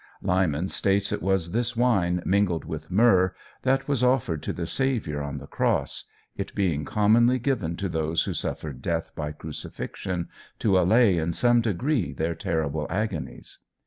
Lyman states it was this wine, "mingled with myrrh," that was offered to the Saviour on the Cross, it being commonly given to those who suffered death by crucifixion to allay in some degree their terrible agonies.